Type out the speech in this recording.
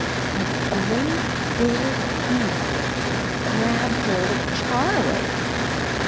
A great big hand grabbed hold of Charlie!